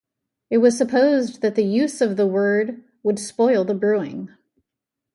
It was supposed that the use of the word would spoil the brewing.